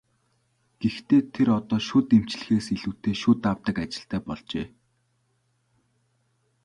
Гэхдээ тэр одоо шүд эмчлэхээс илүүтэй шүд авдаг ажилтай болжээ.